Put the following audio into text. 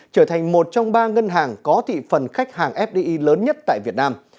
trở thành một trong ba ngân hàng có thị phần khách hàng fdi lớn nhất tại việt nam